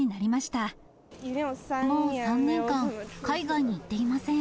もう３年間、海外に行っていません。